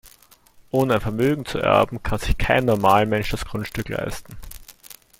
Ohne ein Vermögen zu erben, kann sich kein Normalmensch das Grundstück leisten.